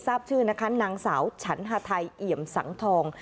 ทราบชื่อนะคะนางสาวฉันฮาไทยเอี่ยมสังทอง